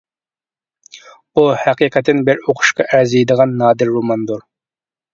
بۇ ھەقىقەتەن بىر ئوقۇشقا ئەرزىيدىغان نادىر روماندۇر.